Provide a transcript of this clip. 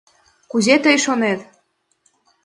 Кузе тый шонет?